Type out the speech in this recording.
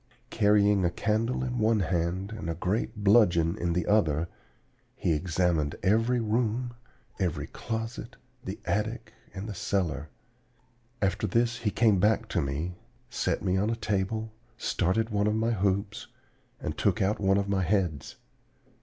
Carrying a candle in one hand and a great bludgeon in the other, he examined every room, every closet, the attic, and the cellar. After this he came back to me, set me on a table, started one of my hoops, and took out one of my heads.